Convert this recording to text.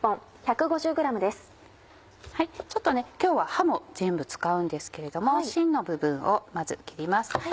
今日は葉も全部使うんですけれどもしんの部分をまず切ります。